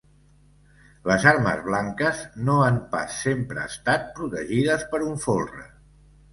Les armes blanques no han pas sempre estat protegides per un folre.